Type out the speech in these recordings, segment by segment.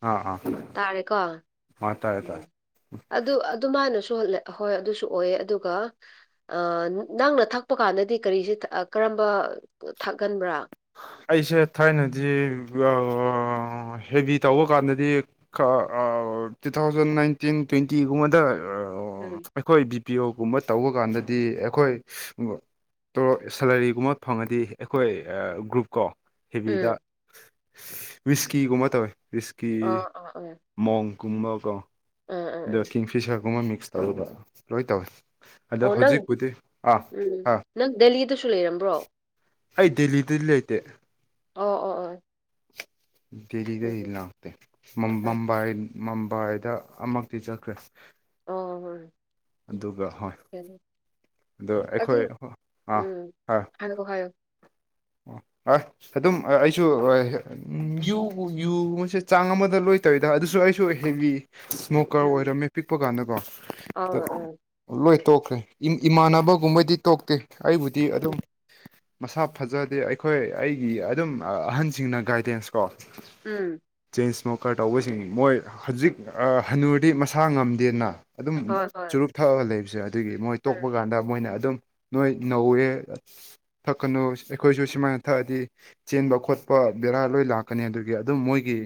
ꯑꯥ ꯑꯥ ꯇꯥꯔꯦꯀꯣ ꯑꯥ ꯇꯥꯔꯦ ꯇꯥꯔꯦ ꯑꯗꯨ ꯑꯗꯨꯃꯥꯏꯅꯁꯨ ꯍꯣꯏ ꯑꯗꯨꯁꯨ ꯑꯣꯏ ꯑꯗꯨꯒ ꯑ ꯅꯪꯅ ꯊꯛꯄ ꯀꯥꯟꯗꯗꯤ ꯀꯔꯤꯁꯤ ꯀꯔꯝꯕ ꯊꯛꯍꯟꯕ꯭ꯔꯥ ꯑꯩꯁꯦ ꯊꯥꯏꯅꯗꯤ ꯍꯦꯚꯤ ꯇꯧꯕ ꯀꯥꯟꯗꯗꯤ ꯇꯨ ꯊꯥꯎꯖꯟ ꯅꯥꯏꯟꯇꯤꯟ ꯇ꯭ꯋꯦꯟꯇꯤꯒꯨꯝꯕꯗ ꯎꯝ ꯑꯩꯈꯣꯏ ꯕꯤ ꯄꯤ ꯑꯣ ꯒꯨꯝꯕ ꯇꯧꯕ ꯀꯥꯟꯗꯗꯤ ꯑꯩꯈꯣꯏ ꯇꯣ ꯁꯦꯂꯔꯤꯒꯨꯝꯕ ꯐꯪꯉꯗꯤ ꯑꯩꯈꯣꯏ ꯒ꯭ꯔꯨꯞ ꯀꯣ ꯍꯦꯕꯤꯗ ꯎꯝ ꯋꯤꯁꯀꯤꯒꯨꯝꯕ ꯇꯧꯋꯦ ꯋꯤꯁꯀꯤ ꯑ ꯑ ꯑ ꯃꯣꯡꯒꯨꯝꯕꯀꯣ ꯑ ꯑ ꯑꯗ ꯎꯝ ꯀꯤꯡꯐꯤꯁꯔꯒꯨꯝꯕ ꯃꯤꯛꯁ ꯇꯧꯔꯒ ꯂꯣꯏ ꯇꯧꯋꯤ ꯑꯗꯣ ꯑꯣ ꯅꯪ ꯍꯧꯖꯤꯛꯄꯨꯗꯤ ꯑꯥ ꯎꯝ ꯑꯥ ꯅꯪ ꯗꯦꯜꯂꯤꯗꯁꯨ ꯂꯩꯔꯝꯕ꯭ꯔꯣ ꯑꯩ ꯗꯦꯜꯂꯤꯗꯗꯤ ꯂꯩꯇꯦ ꯑꯣ ꯑꯣ ꯑꯣ ꯗꯦꯜꯂꯤꯗꯩ ꯎꯝ ꯂꯥꯛꯇꯦ ꯑ ꯃꯝꯕꯥꯏ ꯃꯝꯕꯥꯏꯗ ꯑꯃꯛꯇꯤ ꯆꯠꯈ꯭ꯔꯦ ꯑꯣ ꯍꯣꯏ ꯑꯗꯨꯒ ꯍꯣꯏ ꯑꯗꯣ ꯑꯗꯨ ꯑꯩꯈꯣꯏ ꯑꯥ ꯎꯝ ꯍꯣꯏ [unintelligible] [unintelligible] ꯑꯣ ꯑ ꯑꯗꯨꯝ ꯑꯩꯁꯨ ꯎꯪ ꯌꯨ ꯌꯨꯒꯨꯝꯕꯁꯦ ꯆꯥꯡ ꯑꯃꯗ ꯂꯣꯏ ꯇꯧꯏꯗ ꯑꯗꯨꯁꯨ ꯑꯩꯁꯨ ꯍꯦꯕꯤ ꯏꯁꯃꯣꯀꯔ ꯎꯝ ꯑꯣꯏꯔꯝꯃꯦ ꯄꯤꯛꯄ ꯀꯥꯟꯗꯀꯣ ꯑꯧ ꯑꯗ‌ꯣ ꯑꯧ ꯂꯣꯏ ꯇꯣꯛꯈ꯭ꯔꯦ ꯏꯃꯥꯟꯅꯕꯒꯨꯝꯕꯗꯤ ꯇꯣꯛꯇꯦ ꯑꯩꯕꯨꯗꯤ ꯑꯗꯨꯝ ꯎꯝ ꯃꯁꯥ ꯐꯖꯗꯦ ꯑꯩꯈꯣꯏ ꯑꯩꯒꯤ ꯑꯗꯨꯝ ꯑꯍꯟꯁꯤꯡꯅ ꯒꯥꯏꯗꯦꯟꯁ ꯀꯣ ꯎꯝ ꯆꯦꯟ ꯏꯁꯃꯣꯀꯔ ꯇꯧꯕꯁꯤꯡ ꯃꯣꯏ ꯍꯧꯖꯤꯛ ꯍꯟꯅꯨꯔꯗꯤ ꯃꯁꯥ ꯉꯝꯗꯦꯅ ꯑꯗꯨꯝ ꯍꯣꯏ ꯍꯣꯏ ꯆꯨꯔꯨꯞ ꯊꯛꯑꯒ ꯂꯩꯕꯁꯦ ꯑꯗꯨꯒꯤ ꯃꯣꯏ ꯇꯣꯛꯄ ꯎꯝ ꯀꯥꯟꯗ ꯃꯣꯏꯅ ꯑꯗꯨꯝ ꯅꯣꯏ ꯅꯧꯋꯦ ꯊꯛꯀꯅꯨ ꯑꯩꯈꯣꯏꯁꯨ ꯁꯨꯃꯥꯏꯅ ꯊꯛꯑꯗꯤ ꯆꯦꯟꯕ ꯈꯣꯠꯄ ꯕꯦꯔꯥ ꯂꯣꯏ ꯂꯥꯛꯀꯅꯤ ꯑꯗꯨꯒꯤ ꯑꯗꯨꯝ ꯃꯣꯏꯒꯤ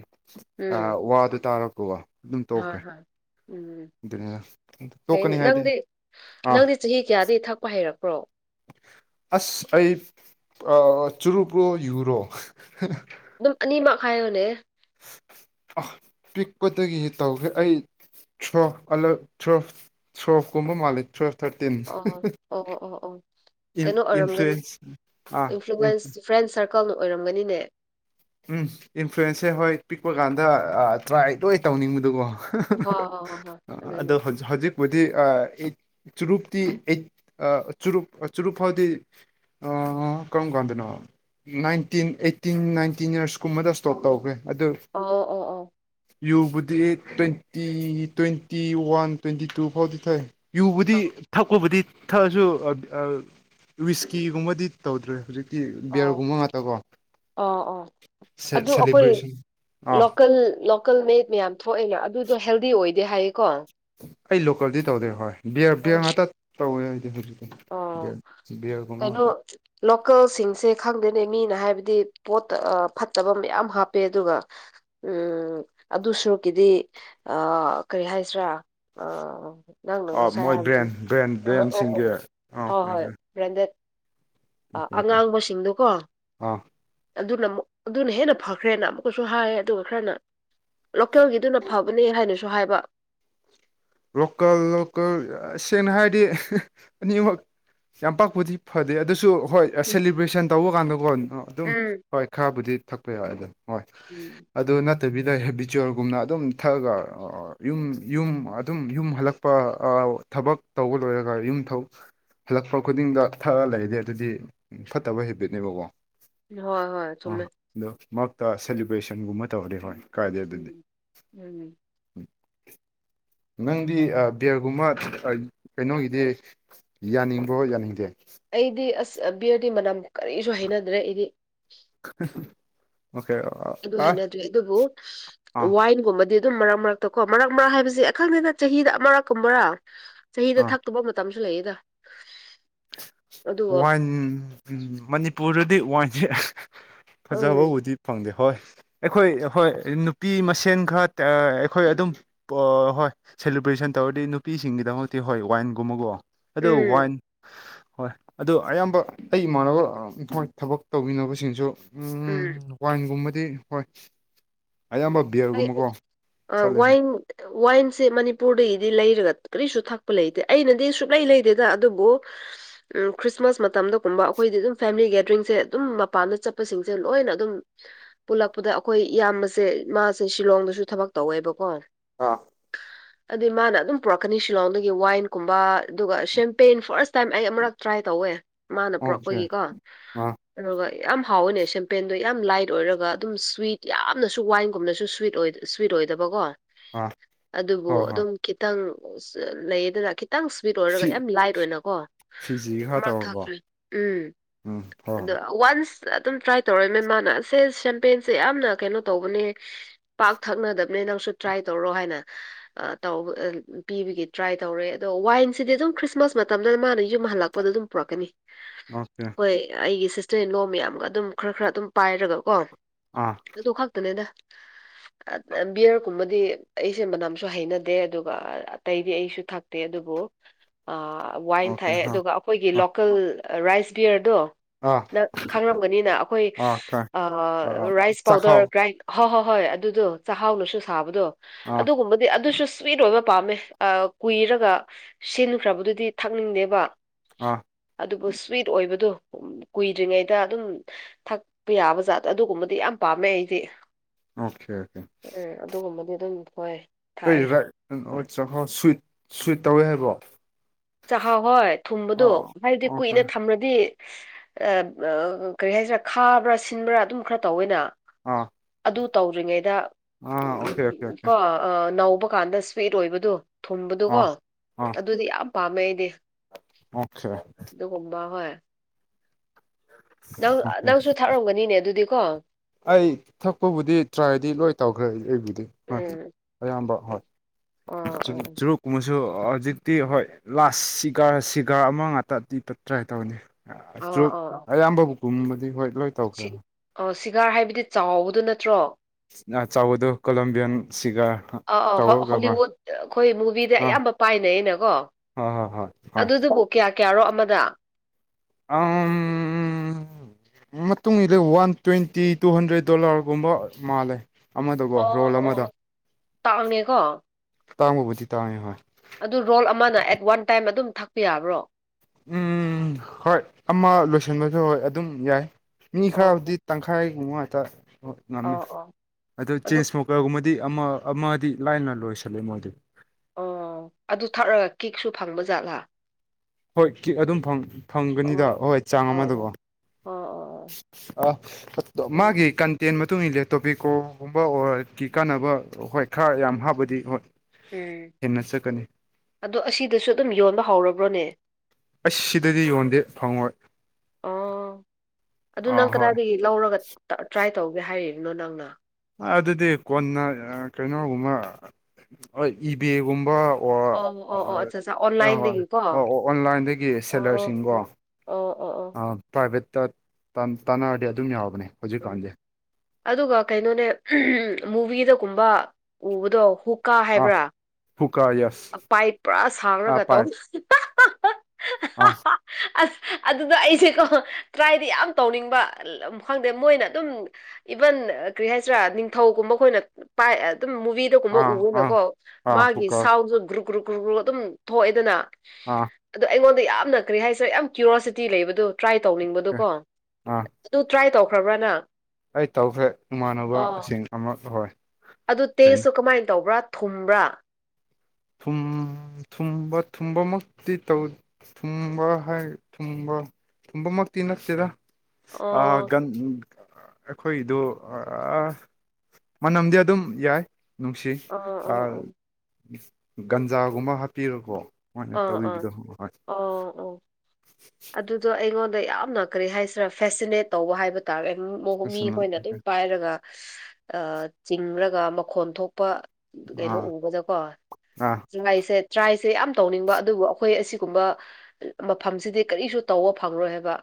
ꯑ ꯎꯝ ꯋꯥ ꯑꯗꯨ ꯇꯔꯛ ꯋꯥ [unintelligible] ꯑꯗꯨꯝ ꯍꯣꯏ ꯇꯣꯛꯈ꯭ꯔꯦ ꯍꯣꯏ ꯎꯝ ꯑꯗꯨꯅꯤ ꯐꯩ ꯇꯣꯛꯀꯅꯤ ꯍꯥꯏꯗꯤ ꯅꯪꯗꯤ ꯑꯥ ꯅꯪꯗꯤ ꯆꯍꯤ ꯀꯌꯥꯗꯒꯤ ꯊꯛꯄ ꯍꯩꯔꯛꯄ꯭ꯔꯣ ꯑꯁ ꯑꯩ ꯆꯨꯔꯨꯞꯂ‌ꯣ ꯌꯨꯔ‌ꯣ ꯑꯗꯨꯝ ꯑꯅꯤꯃꯛ ꯍꯥꯏꯌꯣꯅꯦ ꯑ ꯄꯤꯛꯄꯗꯒꯤ ꯇꯧꯈ꯭ꯔꯦ ꯑꯩ ꯊ꯭ꯋ‌ꯦꯞ ꯑꯂ ꯊ꯭ꯋ‌ꯦꯞ ꯊ꯭ꯋ‌ꯦꯞ ꯀꯨꯝꯕ ꯃꯥꯜꯂꯤ ꯇꯨꯋꯦꯜꯕ ꯊꯥꯔꯇꯤꯟ ꯑꯣ ꯑꯣ ꯑꯣ ꯑꯣ ꯑꯣ ꯀꯩꯅꯣ ꯑꯣꯏꯔꯝꯒꯅꯤ ꯏꯟꯐ꯭ꯂꯋ‌ꯦꯁ ꯑꯥ ꯏꯟ ꯏꯟꯐ꯭ꯂꯨꯋꯟꯁ ꯐ꯭ꯔꯦꯟ ꯁꯔꯀꯜꯅ ꯑꯣꯏꯔꯝꯒꯅꯤꯅꯦ ꯎꯝ ꯏꯟꯐ꯭ꯂꯨꯌꯦꯟꯁꯁꯦ ꯍꯣꯏ ꯄꯤꯛꯄ ꯀꯥꯟꯗ ꯇ꯭ꯔꯥꯏ ꯂꯣꯏ ꯇꯧꯅꯤꯡꯕꯗꯨꯀꫭ ꯍꯣꯏ ꯍꯣꯏ ꯍꯣꯏ ꯍꯣꯏ ꯑꯗꯨꯅꯤ ꯑꯗꯣ ꯍꯧꯖꯤꯛ ꯍꯧꯖꯤꯛ ꯄꯨꯗꯤ ꯑꯥ ꯆꯨꯔꯨꯞꯇꯤ ꯑꯥ ꯆꯨꯔꯨꯞ ꯆꯨꯔꯨꯞ ꯐꯥꯎꯗꯤ ꯑꯥ ꯀꯔꯝ ꯀꯥꯟꯗꯅꯣ ꯅꯥꯏꯇꯤꯟ ꯑꯩꯇꯤꯟ ꯅꯥꯏꯟ ꯇꯤꯟ ꯏꯔꯁ ꯀꯨꯝꯕꯗ ꯏꯁ꯭ꯇꯣꯞ ꯇꯧꯈ꯭ꯔꯦ ꯑꯗꯨ ꯑꯣ ꯑꯣ ꯑꯣ ꯌꯨꯕꯨꯗꯤ twenty twenty one twenty two ꯐꯥꯎꯗꯤ ꯊꯛꯏ ꯌꯨꯕꯨꯗꯤ ꯊꯛꯄꯕꯨꯗꯤ ꯊꯛꯑꯁꯨ ꯋꯤꯁꯀꯤꯒꯨꯝꯕꯗꯤ ꯇꯧꯗ꯭ꯔꯦ ꯍꯧꯖꯤꯛ ꯇꯤ ꯑꯣ ꯕꯤꯌꯔꯒꯨꯝꯕ ꯉꯥꯛꯇꯀꯣ ꯑꯣ ꯑꯣꯥ ꯑꯗꯨ ꯑꯩꯈꯣꯏ ꯁꯦꯂꯦꯕ꯭ꯔꯦꯁꯟ ꯑꯥ ꯂꯣꯛꯀꯜ ꯂꯣꯛ ꯂꯣꯀꯜ ꯃꯦꯠ ꯃꯌꯥꯝ ꯊꯣꯛꯑꯦꯅ ꯑꯗꯨꯗꯤ ꯍꯦꯜꯗꯤ ꯑꯣꯏꯗꯦ ꯍꯥꯏꯌꯦꯀꯣ ꯑꯩ ꯂꯣꯀꯦꯜꯗꯤ ꯇꯧꯗꯦ ꯍꯣꯏ ꯕꯤ ꯎꯝ ꯕꯤꯌꯥꯔ ꯉꯥꯛꯇ ꯇꯧꯋꯦ ꯑꯩꯗꯤ ꯍꯧꯖꯤꯛ ꯑꯣ ꯀꯩꯅꯣ ꯂꯣꯀꯦꯜꯁꯤꯡꯁꯦ ꯈꯪꯗꯦꯅꯦ ꯃꯤꯅ ꯍꯥꯏꯕꯗꯤ ꯄꯣꯠꯇ ꯐꯠꯇꯕ ꯃꯌꯥꯝ ꯍꯥꯞꯄꯦ ꯑꯗꯨꯒ ꯎꯝ ꯑꯗꯨꯁꯨꯔꯛꯒꯤꯗꯤ ꯑ ꯀꯔꯤ ꯍꯥꯏꯁꯤ꯭ꯔꯥ ꯑ ꯅꯪ ꯅꯪ ꯑ ꯉꯁꯥꯏ ꯃꯣꯏ ꯍꯥꯏꯕꯗꯨ ꯕ꯭ꯔꯦꯟ ꯕ꯭ꯔꯦꯟ ꯕ꯭ꯔꯦꯟꯁꯤꯡꯒꯤ ꯑ ꯍꯣꯏ ꯍꯣꯏ ꯕ꯭ꯔꯦꯟꯗꯦꯠ ꯑꯉꯥꯡꯕꯁꯤꯡꯗꯨꯀꯣ ꯑꯥ ꯑꯗꯨꯅ ꯑꯃꯨꯛ ꯑꯗꯨꯅ ꯍꯦꯟꯅ ꯐꯈ꯭ꯔꯦꯅ ꯑꯃꯨꯛꯀꯁꯨ ꯍꯥꯏ ꯑꯗꯨꯒ ꯈꯔꯅ ꯂꯣꯀꯦꯜꯒꯤꯗꯨꯅ ꯐꯕꯅꯦ ꯍꯥꯏꯅꯁꯨ ꯍꯥꯏꯕ ꯂꯣꯀꯜ ꯂꯣꯀꯜ ꯁꯦꯡꯅ ꯍꯥꯏꯔꯗꯤ ꯑꯅꯤꯃꯛ ꯌꯥꯝ ꯄꯥꯛꯄꯨꯗꯤ ꯐꯗꯦ ꯑꯗꯨꯁꯨ ꯍꯣꯏ ꯑꯦ ꯎꯝ ꯁꯦꯂꯦꯕ꯭ꯔꯦꯁꯟ ꯇꯧꯕ ꯀꯥꯟꯗꯀꯣ ꯑꯗꯨꯝ ꯎꯝ ꯍꯣꯏ ꯈꯔꯕꯨꯗꯤ ꯊꯛꯄ ꯌꯥꯎꯋꯦ ꯑꯗꯨꯝ ꯍꯣꯏ ꯎꯝ ꯑꯗꯨ ꯅꯠꯇꯕꯤꯗ ꯍꯦꯕꯤꯆꯨꯋꯦꯜꯒꯨꯝꯅ ꯑꯗꯨꯝ ꯊꯛꯑꯒ ꯌꯨꯝ ꯌꯨꯝ ꯑꯗꯨꯝ ꯌꯨꯝ ꯍꯜꯂꯛꯄ ꯑ ꯊꯕꯛ ꯇꯧꯕ ꯂꯣꯏꯔꯒ ꯌꯨꯝ ꯍꯜꯂꯛꯄ ꯈꯨꯗꯤꯡꯗ ꯊꯛꯑ ꯂꯩꯔꯗꯤ ꯑꯗꯨꯗꯤ ꯐꯠꯇꯕ ꯍꯦꯕꯤꯠꯅꯦꯕꯀꯣ ꯍꯣꯏ ꯍꯣꯏ ꯑ ꯆꯨꯝꯃꯦ ꯑꯗꯣ ꯃꯔꯛꯇ ꯁꯦꯂꯦꯕ꯭ꯔꯦꯁꯟꯒꯨꯝꯕ ꯇꯧꯔꯗꯤ ꯍꯣꯏ ꯀꯥꯏꯗꯦ ꯑꯗꯨꯗꯤ ꯎꯝ ꯎꯝ ꯅꯪꯗꯤ ꯕꯤꯌꯔꯒꯨꯝꯕ ꯀꯩꯅꯣꯒꯤꯗꯤ ꯌꯥꯅꯤꯡꯕ꯭ꯔꯣ ꯌꯥꯅꯤꯡꯗꯦ ꯑꯩꯗꯤ ꯑꯁ ꯕꯤꯌꯔꯗꯤ ꯃꯅꯝ ꯀꯔꯤꯁꯨ ꯍꯩꯅꯗ꯭ꯔꯦ ꯑꯩꯗꯤ ꯑꯣꯀꯦ ꯑ ꯑꯗꯨ ꯑ, ꯍꯥꯏꯅꯗ꯭ꯔꯦ ꯑꯗꯨꯕꯨ ꯑꯥ ꯋꯥꯏꯟꯒꯨꯝꯕꯗꯤ ꯑꯗꯨꯝ ꯃꯔꯛ ꯃꯔꯛꯇ ꯀꯣ ꯃꯔꯛ ꯃꯔꯛ ꯍꯥꯏꯕꯁꯦ ꯑꯈꯪꯗꯦꯗ ꯆꯍꯤꯗ ꯑꯃꯔꯛꯀꯨꯝꯕꯔꯥ ꯆꯍꯤꯗ ꯑꯥ ꯊꯛꯇꯕ ꯃꯇꯝꯁꯨ ꯂꯩꯌꯦꯗ ꯑꯗꯨꯒ ꯋꯥꯏꯟ ꯃꯅꯤꯄꯨꯔꯗꯗꯤ ꯋꯥꯏꯟꯁꯦ ꯎꯝ ꯐꯖꯕꯕꯨꯗꯤ ꯐꯪꯗꯦ ꯍꯣꯏ ꯑꯩꯈꯣꯏ ꯍꯣꯏ ꯅꯨꯄꯤ ꯃꯁꯦꯟ ꯈꯔ ꯑꯩꯈꯣꯏ ꯑꯗꯨꯝ ꯍꯣꯏ ꯁꯦꯂꯦꯕ꯭ꯔꯦꯁꯟ ꯇꯧꯔꯗꯤ ꯅꯨꯄꯤꯁꯤꯡꯒꯤꯗꯃꯛꯇꯤ ꯍꯣꯏ ꯋꯥꯏꯟꯒꯨꯝꯕꯀꯣ ꯑꯗꯨ ꯎꯝ ꯋꯥꯏꯟ ꯍꯣꯏ ꯑꯗꯨ ꯑꯌꯥꯝꯕ ꯑꯩ ꯏꯃꯥꯟꯅꯕ ꯍꯣꯏ ꯊꯕꯛ ꯇꯧꯃꯤꯟꯅꯅꯕꯁꯤꯡꯁꯨ ꯎꯝ ꯋꯥꯏꯟꯒꯨꯝꯕꯗꯤ ꯍꯣꯏ ꯑꯌꯥꯝꯕ ꯎꯝ ꯍꯩ ꯕꯤꯌꯔꯒꯨꯝꯕꯀꯣ ꯆꯠꯂꯦ ꯋꯥꯏꯟ ꯋꯥꯏꯟꯁꯦ ꯃꯅꯤꯄꯨꯔꯗꯒꯤꯗꯤ ꯂꯩꯔꯒ ꯀꯔꯤꯁꯨ ꯊꯛꯄ ꯂꯩꯇꯦ ꯑꯩꯅꯗꯤ ꯁꯨꯛꯂꯩ ꯂꯩꯗꯦꯗ ꯑꯗꯨꯕꯨ ꯈ꯭ꯔꯤꯁꯃꯥꯁ ꯃꯇꯝꯗꯒꯨꯝꯕ ꯑꯩꯈꯣꯏꯗꯤ ꯑꯗꯨꯝ ꯐꯦꯃꯤꯂꯤ ꯒꯦꯗꯔꯤꯡꯁꯦ ꯑꯗꯨꯝ ꯃꯄꯥꯟꯗ ꯆꯠꯄꯁꯤꯡꯁꯦ ꯂꯣꯏꯅ ꯑꯗꯨꯝ ꯄꯨꯜꯂꯛꯄꯗ ꯑꯩꯈꯣꯏ ꯏꯌꯥꯝꯕꯁꯦ ꯃꯥꯁꯦ ꯁꯤꯂꯣꯡꯗꯁꯨ ꯊꯕꯛ ꯇꯧꯋꯦꯕꯀꯣ ꯑꯥ [inaudible] ꯑꯗꯨ ꯃꯥꯅ ꯑꯗꯨꯝ ꯄꯨꯔꯛꯀꯅꯤ ꯁꯤꯂꯣꯡꯗꯒꯤ ꯋꯥꯏꯟ ꯀꯨꯝꯕ ꯑꯗꯨꯒ ꯁꯦꯝꯄꯄꯦꯟ ꯐꯥꯔꯁ ꯇꯥꯏꯝ ꯑꯩ ꯑꯃꯨꯔꯛ ꯇ꯭ꯔꯥꯏ ꯇꯧꯋꯦ ꯃꯥꯅ ꯑꯣꯀꯦ ꯄꯨꯔꯛꯄꯒꯤꯀꯣ ꯑꯥ ꯑꯗꯨꯒ ꯌꯥꯝ ꯍꯥꯎꯋꯦꯅꯦ ꯁꯦꯝꯄꯄꯦꯟꯗꯣ ꯌꯥꯝ ꯂꯥꯏꯠ ꯑꯣꯏꯔꯒ ꯑꯗꯨꯝ ꯁꯨꯋꯤꯠ ꯌꯥꯝ ꯑꯗꯨꯅꯁꯨ ꯋꯥꯏꯟꯒꯨꯝꯅꯁꯨ ꯁꯨꯋꯤꯠ ꯁꯨꯋꯤꯠ ꯑꯣꯏꯗꯕꯀꯣ ꯑꯥ ꯑꯗꯨꯕꯨ ꯍꯣꯏ ꯍꯣꯏ ꯑꯗꯨꯝ ꯈꯤꯇꯪ ꯂꯩꯌꯦꯗꯅ ꯈꯤꯇꯪ ꯁꯨꯋꯤꯠ ꯐꯤ ꯑꯣꯏꯔꯒ ꯌꯥꯝ ꯂꯥꯏꯠ ꯑꯣꯏꯅꯀꯣ ꯐꯤꯖꯤ ꯈꯔ ꯑꯃꯥꯔꯛ ꯇꯧꯔꯀꯣ ꯊꯥꯛꯈꯔꯦ ꯎꯝ ꯎꯝ ꯍꯣꯏ ꯑꯗꯥ ꯍꯣꯏ ꯋꯥꯟꯁ ꯑꯗꯨꯝ ꯇ꯭ꯔꯥꯏ ꯇꯧꯔꯛꯏꯃꯤ ꯃꯥꯅ ꯁꯦ ꯁꯦꯝꯄꯦꯟꯁꯦ ꯌꯥꯝꯅ ꯀꯩꯅꯣ ꯇꯧꯕꯅꯦ ꯄꯥꯛ ꯊꯛꯅꯗꯕꯅꯦ ꯅꯪꯁꯨ ꯇ꯭ꯔꯥꯏ ꯇꯧꯔꯣ ꯍꯥꯏꯅ ꯇꯧ ꯄꯤꯕꯒꯤ ꯇ꯭ꯔꯥꯏ ꯇꯧꯔꯦ ꯑꯗꯣ ꯋꯥꯏꯟꯁꯤꯗꯤ ꯑꯗꯨꯝ ꯈ꯭ꯔꯤꯁꯃꯥꯁ ꯃꯇꯝꯗꯅ ꯃꯥꯅ ꯌꯨꯝ ꯍꯜꯂꯛꯄꯗ ꯑꯗꯨꯝ ꯄꯨꯔꯛꯀꯅꯤ ꯑꯣꯀꯦ ꯍꯣꯏ ꯑꯩꯒꯤ ꯁꯤꯁꯇꯔ ꯂꯣ ꯃꯌꯥꯝꯒ ꯑꯗꯨꯝ ꯈꯔ ꯈꯔ ꯑꯗꯨꯝ ꯄꯥꯏꯔꯒ ꯀꯣ ꯑꯥ ꯇꯣ ꯈꯥꯛꯛꯇꯅꯦꯗ ꯕꯤꯌꯔꯒꯨꯝꯕꯗꯤ ꯑꯩꯁꯦ ꯃꯅꯝꯁꯨ ꯍꯩꯅꯗꯦ ꯑꯗꯨꯒ ꯑꯇꯩꯗꯤ ꯑꯩꯁꯨ ꯊ ꯗꯦ ꯑꯗꯨꯕꯨ ꯋꯥꯏꯟ ꯑꯣꯀꯦ ꯊꯥꯛꯑꯦ ꯍ ꯑꯗꯨꯒ ꯑꯩꯈꯣꯏꯒꯤ ꯂꯣꯀꯦꯜ ꯔꯥꯏꯁ ꯕꯤꯌꯔꯗꯣ ꯑꯥ ꯅ ꯈꯪꯔꯝꯒꯅꯤꯅ ꯑꯩꯈꯣꯏ ꯑꯥ ꯈ ꯔꯥꯏꯁ ꯆꯥꯛꯈꯥꯎ ꯄꯥꯎꯗꯔ ꯍꯣꯏ ꯍꯣꯏ ꯍꯣꯏ ꯑꯗꯨꯗꯣ ꯆꯥꯛꯍꯥꯎꯅꯁꯨ ꯁꯥꯕꯗꯣ ꯑꯥ ꯑꯗꯨꯒꯨꯝꯕꯗꯤ ꯑꯗꯨꯁꯨ ꯁ꯭ꯋꯤꯠ ꯑꯣꯏꯕ ꯄꯥꯝꯃꯦ ꯀꯨꯏꯔꯒ ꯁꯤꯟꯈ꯭ꯔꯕꯗꯨꯗꯤ ꯊꯛꯅꯤꯡꯗꯦꯕ ꯑꯥ ꯑꯗꯨꯕꯨ ꯁ꯭ꯋꯤꯠ ꯑꯣꯏꯕꯗꯣ ꯀꯨꯏꯗ꯭ꯔꯤꯉꯩꯗ ꯑꯗꯨꯝ ꯊꯛꯄ ꯌꯥꯕ ꯖꯥꯠ ꯑꯗꯨꯒꯨꯝꯕꯗꯤ ꯌꯥꯝ ꯄꯥꯝꯃꯦ ꯑꯩꯗꯤ ꯑꯣꯀꯦ ꯑꯣꯀꯦ ꯎꯝ ꯑꯗꯨꯒꯨꯝꯕꯗꯤ ꯑꯗꯨꯝ ꯐꯣꯏ ꯀꯥꯏꯈ ꯁ ꯁꯠ ꯇꯧꯋꯦ ꯍꯥꯏꯕꯣ ꯆꯥꯛꯍꯥꯎ ꯍꯣꯏ ꯊꯨꯝꯕꯗꯣ ꯍꯥꯏꯗꯤ ꯑꯣꯀꯦ ꯀꯨꯏꯅ ꯊꯝꯂꯗꯤ ꯀꯔꯤ ꯍꯥꯏꯁꯤꯔꯥ ꯈꯥꯕ꯭ꯔꯥ ꯁꯤꯟꯕ꯭ꯔꯥ ꯑꯗꯨꯝ ꯈꯔ ꯇꯧꯋꯦꯅ ꯑꯥ ꯑꯗꯨ ꯇꯧꯗ꯭ꯔꯤꯉꯩꯗ ꯑꯥ ꯑꯣꯀꯦ ꯑꯣꯀꯦ ꯎ ꯑꯣꯀꯦ ꯀꯣ ꯅꯧꯕ ꯀꯥꯟꯗ ꯁ꯭ꯋꯤꯠ ꯑꯣꯏꯕꯗꯣ ꯊꯨꯝꯕꯗꯨꯀꯣ ꯑꯥ ꯑꯗꯨꯗꯤ ꯌꯥꯝ ꯄꯥꯝꯃꯦ ꯑꯩꯗꯤ ꯑꯣꯆꯥꯦ ꯑꯗꯨ ꯁꯣꯕꯥꯔ ꯍ ꯅꯪ ꯑꯣꯀꯦ ꯅꯪꯁꯨ ꯊꯛꯔꯝꯒꯅꯤꯅꯦ ꯑꯗꯨꯗꯤꯀꯣ ꯑꯩ ꯊꯛꯄꯕꯨꯗꯤ ꯇ꯭ꯔꯥꯏꯗꯤ ꯂꯣꯏ ꯇꯧꯈ꯭ꯔꯦ ꯑꯩ ꯑꯩꯕꯨꯗꯤ ꯍꯣꯏ ꯎꯝ ꯑꯌꯥꯝꯕ ꯍꯣꯏ ꯑꯣ ꯑꯣ ꯆꯨꯔꯨꯞꯛꯀꯨꯝꯕꯁꯨ ꯍꯧꯖꯤꯛꯇꯤ ꯍꯣꯏ ꯂꯥꯁ ꯁꯤꯒꯔ ꯁꯤꯒꯔ ꯑꯃ ꯉꯥꯛꯇ ꯄꯤꯄ ꯇ꯭ꯔꯥꯏ ꯇꯧꯅꯤ ꯑꯣ ꯑꯁꯨ ꯑꯥ ꯑꯥ ꯑꯌꯥꯝꯕꯕꯨ ꯀꯨꯝꯕꯗꯤ ꯍꯣꯏ ꯂꯣꯏ ꯁꯤ ꯇꯧꯈ꯭ꯔꯦ ꯑ ꯁꯤꯒꯥꯔ ꯍꯥꯏꯕꯗꯤ ꯆꯥꯎꯕꯗꯨ ꯅꯠꯇ꯭ꯔꯣ ꯑꯆꯧꯕꯗꯣ ꯀꯣꯂꯝꯕꯤꯌꯥꯟ ꯁꯤꯒꯥꯔ ꯑ ꯆꯥꯎꯔꯒ ꯍꯣꯏ ꯍꯣꯂꯤꯋꯨꯗ ꯑꯩꯈꯣꯏ ꯃꯨꯚꯗ ꯑꯥ ꯑꯌꯥꯝꯕ ꯄꯥꯏꯅꯅꯀꯣ ꯍꯣꯏ ꯍꯣꯏ ꯍꯣꯏ ꯍꯣꯏ ꯑꯗꯨꯗꯨꯕꯨ ꯀꯌꯥ ꯀꯌꯥꯔꯣ ꯑꯃꯗ ꯎ ꯃꯇꯨꯡ ꯏꯂ ꯋꯥꯟ ꯇ꯭ꯋꯦꯟꯇꯤ ꯇꯨ ꯍꯟꯗ꯭ꯔꯦꯠ ꯗꯣꯂꯔꯒꯨꯝꯕ ꯃꯥꯜꯂꯦ ꯑꯃꯗꯀꯣ ꯑꯣ ꯔꯣꯜ ꯑꯣ ꯑꯃꯗ ꯇꯥꯡꯉꯦꯀꯣ ꯇꯥꯡꯕꯕꯨꯗꯤ ꯇꯥꯡꯉꯦ ꯍꯣꯏ ꯑꯗꯨ ꯔꯣꯜ ꯑꯃꯅ ꯑꯦꯠ ꯋꯥꯟ ꯇꯥꯏꯝ ꯑꯗꯨꯝ ꯊꯛꯄ ꯌꯥꯕ꯭ꯔꯣ ꯎꯝ ꯍꯣꯏ ꯑꯃ ꯂꯣꯏꯁꯤꯟꯕꯁꯨ ꯍꯣꯏ ꯑꯗꯨꯝ ꯌꯥꯏ ꯃꯤ ꯑꯣ ꯈꯔꯕꯨꯥꯎꯗꯤ ꯇꯪꯈꯥꯏ ꯃ ꯉꯥꯛꯇ ꯉꯝꯃꯦ ꯑꯣ ꯑꯣ ꯑꯗꯨ ꯆꯦꯟꯖꯃꯨ ꯀꯔꯤꯒꯨꯝꯕꯗꯤ ꯑꯃ ꯑꯃꯗꯤ ꯂꯥꯏꯅ ꯂꯣꯏꯁꯤꯜꯂꯦ ꯃꯣꯏꯗꯤ ꯑꯣ ꯑꯗꯨ ꯊꯛꯑꯒ ꯀꯦꯛꯁꯨ ꯐꯪꯕ ꯥꯠꯂꯥ ꯍꯣꯏ ꯀꯤꯦꯛ ꯑꯗꯨꯝ ꯐꯪ ꯐꯪꯒꯅꯤꯗ ꯑꯣ ꯍꯣꯏ ꯆꯥꯡ ꯑꯣ ꯑꯃꯗꯀꯣ ꯑꯣ ꯑꯣ ꯑꯣ ꯑꯥ ꯑ ꯃꯥꯒꯤ ꯎꯝ ꯀ ꯇꯦꯟ ꯃꯇꯨꯡ ꯏꯟꯂꯦ ꯇꯣꯄꯤꯀꯣꯒꯨꯝꯕ ꯑꯣꯔꯒꯤ ꯀꯥꯟꯅꯕ ꯍꯣꯏ ꯈꯔ ꯌꯥꯝ ꯍꯥꯞꯕꯗꯤ ꯍꯣꯏ ꯎꯝ ꯍꯦꯟꯅ ꯆꯠꯀꯅꯤ ꯑꯗꯣ ꯑꯁꯤꯗꯁꯨ ꯑꯗꯨꯝ ꯌꯣꯟꯕ ꯍꯧꯔꯕ꯭ꯔꯣꯅꯦ ꯑꯁ ꯁꯤꯗꯗꯤ ꯌꯣꯟꯗꯦ ꯐꯪꯉꯣꯏ ꯑꯣ ꯑꯗꯨ ꯑꯥ ꯅꯪ ꯍꯣꯏ ꯀꯗꯥꯗꯒꯤ ꯂꯧꯔꯒ ꯇ꯭ꯔꯥꯏ ꯇꯧꯒꯦ ꯍꯥꯏꯔꯤꯕꯅꯣ ꯅꯪꯅ ꯑꯗꯨꯗꯤ ꯀꯣꯟꯅ ꯀꯩꯅꯣꯒꯨꯝꯕ ꯏꯕꯦꯒꯨꯝꯕ ꯑꯣꯔ ꯑꯣ ꯑꯣ ꯑꯣ ꯑꯆꯥ ꯑ ꯑꯣꯟꯂꯥꯏꯟꯗꯒꯤ ꯀꯣ ꯁꯦꯜꯂꯔꯁꯤꯡꯒꯣ ꯑꯣ ꯑꯣ ꯑꯣ ꯄ꯭ꯔꯥꯏꯚꯦꯠꯇ ꯇꯥꯟꯅꯔꯗꯤ ꯑꯗꯨꯝ ꯌꯥꯎꯕꯅꯦ ꯎꯝ ꯍꯧꯖꯤꯛꯀꯥꯟꯁꯦ ꯑꯗꯨꯒ ꯀꯩꯅꯣꯅꯦ ꯃꯨꯚꯗꯒꯨꯝꯕ ꯎꯕꯗꯣ ꯍꯨꯛ ꯀꯥ ꯍꯥꯏꯕ꯭ꯔꯥ ꯍꯨꯀꯥꯏ ꯄꯥꯏ ꯄꯨꯔꯥ ꯁꯥꯡꯔꯒ ꯇꯧ ꯑ ꯑꯁ ꯑꯗꯨꯗ ꯑꯩꯁꯦꯀꯣ ꯇ꯭ꯔꯥꯏꯗꯤ ꯌꯥꯝ ꯇꯧꯅꯤꯡꯕ ꯈꯪꯗꯦ ꯃꯣꯏꯅ ꯑꯗꯨꯝ ꯏꯚꯟ ꯀꯔꯤ ꯍꯥꯏꯁꯤꯔꯥ ꯅꯤꯡꯊꯧꯒꯨꯝꯕ ꯑꯩꯈꯣꯏꯅ ꯄꯥꯏ ꯑꯗꯨꯝ ꯃꯨꯚꯤ ꯁꯤꯗꯒꯨꯝꯕ ꯑꯥ ꯑꯥ ꯎꯈꯅꯀꯣ ꯑꯥ ꯃꯥꯒꯤ ꯍꯨꯀꯥ ꯁꯥꯎꯟꯁꯨ ꯒ꯭ꯔꯨ ꯒ꯭ꯔꯨ ꯒ꯭ꯔꯨ ꯒ꯭ꯔꯨ ꯑꯗꯨꯝ ꯊꯣꯛꯑꯦꯗꯅ ꯑꯥ ꯑꯗꯣ ꯑꯩꯉꯣꯟꯗ ꯌꯥꯝꯅ ꯀꯔꯤ ꯍꯥꯏꯁꯤꯔꯦ ꯌꯥꯝ ꯀ꯭ꯌꯨꯔꯣꯁꯤꯇꯤ ꯂꯩꯕꯗꯣ ꯇ꯭ꯔꯥꯏ ꯇꯧꯅꯤꯡꯕꯗꯣꯀꯣ ꯑꯥ ꯑꯗꯨ ꯇ꯭ꯔꯥꯏ ꯇꯧꯈ꯭ꯔꯕ꯭ꯔꯅꯪ ꯑꯩ ꯇꯧꯈ꯭ꯔꯦ ꯏꯃꯥꯟꯅꯕꯁꯤꯡ ꯑꯃ ꯍꯣꯏ ꯑꯗꯨ ꯀꯩꯅꯣ ꯇꯦꯁꯁꯨ ꯀꯃꯥꯏꯅ ꯇꯧꯕ꯭ꯔꯥ ꯊꯨꯝꯕ꯭ꯔꯥ ꯊꯨꯝ ꯊꯨꯝꯕ ꯊꯨꯝꯕꯃꯛꯇꯤ ꯇꯧ ꯊꯨꯡꯕ ꯍꯥꯏ ꯊꯨꯡꯕ ꯊꯨꯝꯕꯃꯛꯇꯤ ꯅꯠꯇꯦꯗ ꯑꯣ ꯑꯩꯈꯣꯏꯗꯣ ꯃꯅꯝꯗꯤ ꯑꯗꯨꯝ ꯌꯥꯏ ꯅꯨꯡꯁꯤ ꯑꯣ ꯑꯣ ꯑꯣ ꯒꯟꯖꯥꯒꯨꯝꯕ ꯍꯥꯞꯄꯤꯔꯣꯀꯣ ꯑꯥ ꯑꯥ ꯑꯣ ꯑꯣ ꯑꯗꯨꯗꯣ ꯑꯩꯉꯣꯟꯗ ꯌꯥꯝꯅ ꯀꯔꯤ ꯍꯥꯏꯁꯤꯔꯥ ꯐꯦꯁꯤꯅꯦꯠ ꯇꯧꯕ ꯍꯥꯏꯕ ꯇꯥꯔꯦ ꯃꯤ ꯑꯁꯅ ꯑꯩꯈꯣꯏꯅ ꯑꯗꯨꯝ ꯄꯥꯏꯔꯒ ꯑ ꯆꯤꯡꯔꯒ ꯃꯈꯣꯟ ꯊꯣꯛꯄ ꯀꯩꯅꯣ ꯑꯥ ꯎꯕꯗꯀꯣ ꯑꯥ ꯇꯉꯥꯏꯁꯦ ꯇ꯭ꯔꯥꯏꯁꯦ ꯌꯥꯝ ꯇꯧꯅꯤꯡꯕ ꯑꯗꯨꯕꯨ ꯑꯩꯈꯣꯏ ꯑꯁꯤꯒꯨꯝꯕ ꯃꯐꯝꯁꯤꯗꯤ ꯀꯔꯤꯁꯨ ꯇꯧꯕ ꯐꯪꯂꯔꯣꯏ ꯍꯥꯏꯕ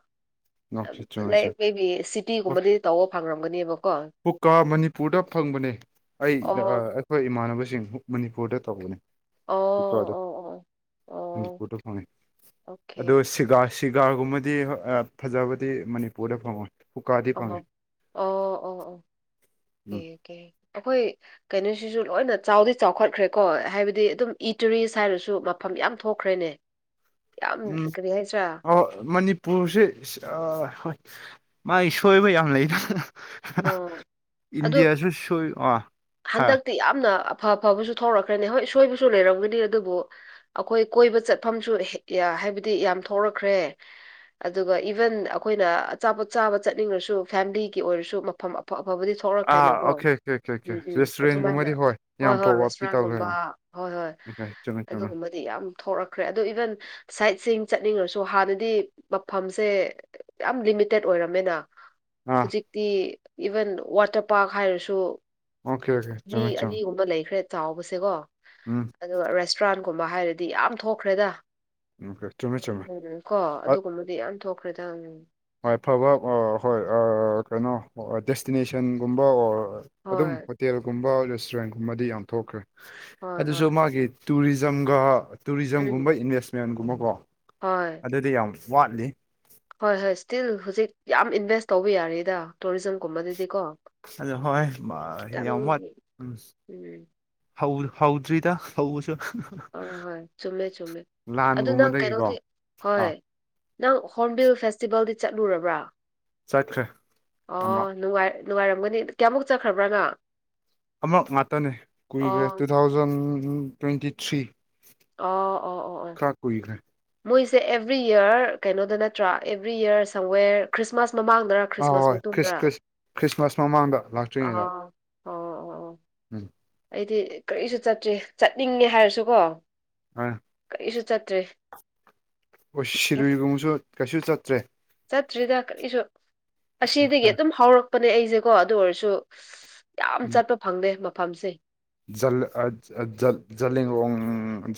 ꯉꯥꯎꯁꯦ ꯆꯨꯝꯃꯦ ꯂꯥꯏ ꯃꯦꯕꯤ ꯁꯤꯇꯤꯒꯨꯝꯕꯗꯤ ꯇꯧꯕ ꯐꯪꯔꯝꯒꯅꯦꯕꯀꯣ ꯀꯨꯀꯥ ꯃꯅꯤꯄꯨꯔꯗ ꯐꯪꯕꯅꯦ ꯑꯩ ꯑꯣ ꯑꯩꯈꯣꯏ ꯏꯃꯥꯟꯅꯕꯁꯤꯡ ꯃꯅꯤꯄꯨꯔꯗ ꯇꯧꯕꯅꯦ ꯑꯣ ꯑꯣ ꯑꯣ ꯑꯣ ꯀꯀꯥꯗꯣꯠꯇ ꯐꯪꯉꯦ ꯑꯣꯀꯦ ꯑꯗꯨ ꯑꯣꯀꯦ ꯁꯤꯒꯥꯏ ꯁꯤꯒꯥꯒꯨꯝꯕꯗꯤ ꯍ ꯐꯖꯕꯗꯤ ꯃꯅꯤꯄꯨꯔꯗ ꯐꯪꯉꯣꯏ ꯀꯨꯀꯥꯗꯤ ꯑ ꯐꯪꯉꯦ ꯑꯣ ꯑꯣ ꯎꯝ ꯑꯣꯀꯦ ꯑꯩꯈꯣꯏ ꯀꯩꯅꯣꯁꯤꯁꯨ ꯂꯣꯏꯅ ꯆꯥꯎꯗꯤ ꯆꯥꯎꯈꯠꯈ꯭ꯔꯦꯀꯣ ꯍꯥꯏꯕꯗꯤ ꯑꯗꯨꯝ ꯏ ꯇꯨꯔꯤꯁ ꯍꯥꯏꯔꯁꯨ ꯃꯐꯝ ꯌꯥꯝ ꯊꯣꯛꯈ꯭ꯔꯦꯅꯦ [unintelligible] ꯎꯝ ꯀꯔꯤ ꯍꯥꯏꯁꯤꯔꯥ ꯑꯣ ꯃꯅꯤ ꯄꯨꯁꯦ ꯍꯣꯏ ꯃꯥꯒꯤ ꯁꯣꯏꯕ ꯌꯥꯝ ꯂꯩꯗꯅ ꯑꯥ ꯑꯗꯨ ꯏꯟꯗꯤꯌꯥꯁꯨ ꯁꯣꯏ ꯑꯥ ꯍꯥ ꯍꯟꯗꯛꯇꯤ ꯌꯥꯝꯅ ꯐ ꯐꯕꯁꯨ ꯊꯔꯛꯈ꯭ꯔꯅꯤ ꯍꯣꯏ ꯁꯣꯏꯕꯁꯨ ꯂꯩꯔꯝꯒꯅꯤ ꯑꯗꯨꯕꯨ ꯑꯩꯈꯣꯏ ꯀꯣꯏꯕ ꯆꯠꯐꯝꯁꯨ ꯍꯥꯏꯕꯗꯤ ꯌꯥꯝ ꯊꯣꯛꯔꯛꯈ꯭ꯔꯦ ꯑꯗꯨꯒ ꯏꯚꯟ ꯑꯩꯈꯣꯏꯅ ꯑꯆꯥꯄꯣꯠ ꯆꯥꯕ ꯆꯠꯅꯤꯡꯂꯁꯨ ꯐꯦꯃꯤꯂꯤꯒꯤ ꯑꯣꯏꯔꯁꯨ ꯐꯝ ꯑꯐ ꯑꯐꯕꯗꯤ ꯑꯥ ꯊꯣꯛꯂꯛꯈ꯭ꯔꯦꯅꯀꯣ ꯑꯣꯀꯦ ꯑꯣꯀꯦ ꯑꯣꯀꯦ ꯎ ꯑꯣꯀꯦ ꯎꯝ ꯑꯗꯨꯃꯥꯏꯅ ꯔꯦꯁꯇꯨꯔꯦꯟꯒꯨꯝꯕꯗꯤ ꯍꯣꯏ ꯌꯥꯝ ꯍꯣꯏ ꯄꯣꯞ ꯑꯞꯇꯤ ꯔꯦꯁꯇꯨꯔꯦꯟꯒꯨꯝꯕ ꯇꯧꯈ꯭ꯔꯦ ꯍꯣꯏ ꯍꯣꯏ ꯑꯣꯀꯦ ꯆꯨꯝꯃꯦ ꯆꯨꯝꯃꯦ ꯑꯗꯨꯒꯨꯝꯕ ꯗꯤ ꯌꯥꯝ ꯊꯣꯛꯂꯛꯈ꯭ꯔꯦ ꯑꯣ ꯏꯚꯟ ꯁꯥꯏꯠꯁꯤꯡ ꯆꯠꯅꯤꯡꯉꯁꯨ ꯍꯥꯟꯅꯗꯤ ꯃꯐꯝꯁꯦ ꯌꯥꯝ ꯂꯤꯃꯤꯇꯦꯠ ꯑꯣꯏꯔꯝꯃꯤꯅ ꯑꯥ ꯍꯧꯖꯤꯛꯇꯤ ꯏꯚꯟ ꯋꯥꯇꯔ ꯄꯥꯔꯛ ꯍꯥꯏꯔꯁꯨ ꯑꯣꯀꯦ ꯑꯣꯀꯦ ꯑꯅꯤ ꯆꯨꯝꯃꯦ ꯆꯨꯝꯃꯦ ꯑꯅꯤꯒꯨꯝꯕ ꯂꯩꯈ꯭ꯔꯦ ꯆꯥꯎꯕꯁꯦꯀꯣ ꯎꯝ ꯑꯗꯨꯒ ꯔꯦꯁꯇꯨꯔꯥꯟꯒꯨꯝꯕ ꯍꯥꯏꯔꯗꯤ ꯌꯥꯝ ꯊꯣꯛꯈ꯭ꯔꯦꯗ ꯑꯣꯀꯦ ꯆꯨꯝꯃꯦ ꯆꯨꯝꯃꯦ ꯎꯝ ꯀꯣ ꯑꯗꯨꯒꯨꯝꯕꯗꯤ ꯌꯥꯝ ꯊꯣꯛꯈ꯭ꯔꯦꯗꯪ ꯍꯣꯏꯐꯕ ꯍꯣꯏ ꯀꯩꯅꯣ ꯗꯦꯁꯇꯤꯅꯦꯁꯟꯒꯨꯝꯕ ꯑꯣꯔ ꯍꯣꯏ ꯑꯗꯨꯝ ꯍꯣꯏ ꯍꯣꯇꯦꯜꯒꯨꯝꯕ ꯔꯦꯁꯇꯨꯔꯦꯟꯒꯨꯝꯕꯗꯤ ꯌꯥꯝ ꯊꯣꯛꯈ꯭ꯔꯦ ꯍꯣꯏ ꯍꯣꯏ ꯑꯗꯨꯁꯨ ꯃꯥꯒꯤ ꯇꯨꯔꯤꯖꯝꯒ ꯎꯝ ꯇꯨꯔꯤꯖꯝꯒꯨꯝꯕ ꯏꯟꯚꯦꯁꯃꯦꯟꯒꯨꯝꯕꯀꯣ ꯍꯣꯏ ꯑꯗꯨꯗꯤ ꯌꯥꯝ ꯋꯥꯠꯂꯤ ꯍꯣꯏ ꯍꯣꯏ ꯁ꯭ꯇꯤꯜ ꯍꯧꯖꯤꯛ ꯌꯥꯝ ꯏꯟꯚꯦꯁ ꯇꯧꯕ ꯌꯥꯔꯦꯗ ꯇꯨꯔꯤꯖꯝꯒꯨꯝꯕꯗꯗꯤꯀꯣ ꯑꯗꯨ ꯍꯣꯏ ꯃꯥ, ꯈꯤꯇꯪ ꯌꯥꯝ ꯋꯥꯠ ꯎꯝ ꯍꯧꯗ꯭ꯔꯤꯗ ꯍꯧꯕꯁꯨ ꯍꯣꯏ ꯍꯣꯏ ꯆꯨꯝꯃꯦ ꯆꯨꯝꯃꯦ ꯑꯗꯨ ꯅꯪ ꯂꯥꯟꯒꯨꯝꯕꯗꯒꯤꯀꯣ ꯀꯩꯅꯣꯗꯤ ꯍꯣꯏ ꯑꯥ ꯅꯪ ꯍꯣꯔꯕꯤꯜ ꯐꯦꯁꯇꯤꯚꯦꯜꯗꯤ ꯆꯠꯂꯨꯔꯕꯔꯥ ꯆꯠꯈ꯭ꯔꯦ ꯑꯃ ꯑꯣ ꯅꯨꯡꯉꯥꯏꯔꯝꯒꯅꯤ ꯀꯌꯥꯃꯨꯛ ꯆꯠꯈ꯭ꯔꯕ꯭ꯔꯥ ꯅꯪ ꯑꯃꯨꯛ ꯈꯛꯇꯅꯦ ꯀꯨꯏꯈ꯭ꯔꯦ ꯇꯨ ꯑꯣ ꯊꯥꯎꯖꯟ ꯇ꯭ꯋꯦꯟꯇꯤ ꯊ꯭ꯔꯤ ꯑꯣ ꯑꯣ ꯑꯣ ꯑꯣ ꯈꯔ ꯀꯨꯏꯈ꯭ꯔꯦ ꯃꯣꯏꯁꯦ ꯑꯦꯕ꯭ꯔꯤ ꯏꯌꯔ ꯀꯩꯅꯣꯗ ꯅꯠꯇ꯭ꯔꯥ ꯑꯦꯕ꯭ꯔꯤ ꯏꯌꯔ ꯁꯝꯋꯦꯔ ꯈ꯭ꯔꯤꯁ꯭ꯇꯃꯥꯁ ꯃꯃꯥꯡꯗꯔ ꯑ ꯈ꯭ꯔꯤꯁ꯭ꯇꯃꯥꯁ ꯍꯣꯏ ꯃꯇꯨꯡꯗ ꯈ꯭ꯔꯤꯁ ꯈ꯭ꯔꯤꯁꯃꯥꯁ ꯃꯃꯥꯡꯗ ꯑꯥ ꯂꯥꯛꯇ꯭ꯔꯤꯉꯩꯗ ꯑꯣ ꯑꯣ ꯑꯣ ꯎꯝ ꯑꯩꯗꯤ ꯀꯔꯤꯁꯨ ꯆꯠꯇꯦ ꯆꯠꯅꯤꯡꯉꯦ ꯍꯥꯏꯔꯁꯨꯀꯣ ꯍꯣꯏ ꯀꯔꯤꯁꯨ ꯆꯠꯇ꯭ꯔꯦ ꯑꯣꯁ ꯁꯤꯔꯣꯏꯒꯨꯝꯕꯁꯨ ꯀꯩꯁꯨ ꯆꯠꯇ꯭ꯔꯦ ꯆꯠꯇ꯭ꯔꯤꯗ ꯀꯔꯤꯁꯨ ꯑꯁꯤꯗꯒꯤ ꯑꯗꯨꯝ ꯍꯧꯥꯎꯔꯛꯄꯅꯦ ꯑꯩꯁꯦꯀꯣ ꯑꯗꯨ ꯑꯣꯏꯔꯁꯨ ꯌꯥꯝ ꯆꯠꯄ ꯐꯪꯗꯦ ꯃꯐꯝꯁꯦ ꯖꯦꯂꯤꯌꯥꯡꯂꯣꯡ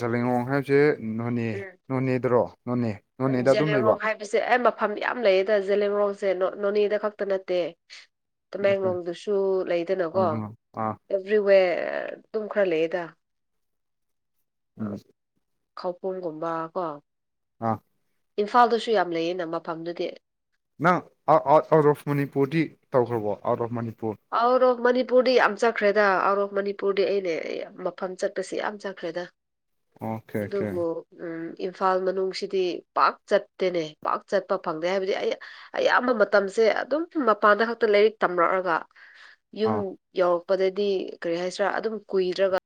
ꯁꯦ ꯅꯣꯅꯦ ꯎꯝ ꯅꯣꯅꯦꯗ꯭ꯔꯣ ꯅꯣꯅꯦ ꯅꯣꯅꯦꯗ ꯑꯗꯨꯝ ꯂꯩꯕꯣ ꯑꯩꯁꯦ ꯑꯩ ꯃꯐꯝ ꯌꯥꯝ ꯂꯩꯌꯦꯗ ꯖꯦꯂꯤꯌꯥꯡꯂꯣꯡꯁꯦ ꯅꯣꯅꯦꯗ ꯈꯛꯇ ꯅꯠꯇꯦ ꯇꯃꯦꯡꯂꯣꯡꯗꯨꯁꯨ ꯂꯩꯗꯅꯀꯣ ꯑꯥ ꯑꯦꯚ꯭ꯔꯤꯋꯦꯌ꯭ꯔ ꯑꯗꯨꯝ ꯈꯔ ꯂꯩꯏꯗ ꯅꯪꯁꯨ ꯈꯧꯄꯨꯝꯒꯨꯝꯕ ꯀꯣ ꯑꯥ ꯏꯝꯐꯥꯜꯗꯁꯨ ꯌꯥꯝ ꯂꯩꯌꯦꯅꯥ ꯃꯐꯝꯗꯨꯗꯤ ꯅꯪ ꯑꯥꯎꯠ ꯑꯥꯎꯠ ꯑꯣꯐ ꯃꯅꯤꯄꯨꯔꯗꯤ ꯇꯧꯈ꯭ꯔꯕꯣ out of Manipur out of ꯃꯅꯤꯄꯨꯔꯗꯤ ꯌꯥꯝ ꯆꯠꯈ꯭ꯔꯦꯗ ꯑꯥꯎꯠ ꯑꯣꯐ ꯃꯅꯤꯄꯨꯔꯗꯤ ꯑꯩꯅꯥ ꯃꯐꯝ ꯆꯠꯄꯁꯦ ꯌꯥꯝ ꯆꯠꯈ꯭ꯔꯦꯗ ꯑꯣꯀꯦ ꯑꯣꯀꯦ ꯑꯗꯨꯕꯨ ꯎꯝ ꯏꯝꯐꯥꯜ ꯃꯅꯨꯡꯁꯤꯗꯤ ꯄꯥꯛ ꯆꯠꯇꯦꯅꯦ ꯄꯥꯛ ꯆꯠꯄ ꯐꯪꯗꯦ ꯍꯥꯏꯕꯗꯤ ꯑꯩ ꯑꯌꯥꯝꯕ ꯃꯇꯝꯁꯦ ꯑꯗꯨꯝ ꯃꯄꯥꯟꯗ ꯈꯛꯇ ꯂꯥꯏꯔꯤꯛ ꯇꯝꯂꯛꯑꯒ ꯌꯨꯝ ꯑꯥ ꯌꯧꯔꯛꯄꯗꯗꯤ ꯀꯔꯤ ꯍꯥꯏꯁꯤꯔꯥ ꯑꯗꯨꯝ ꯀꯨꯏꯔꯒ